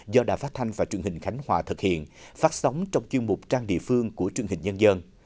do đài phát thanh và truyền hình khánh hòa thực hiện phát sóng trong chuyên mục trang địa phương của truyền hình nhân dân